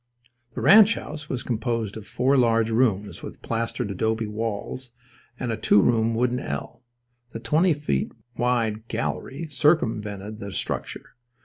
The ranch house was composed of four large rooms, with plastered adobe walls, and a two room wooden ell. A twenty feet wide "gallery" circumvented the structure.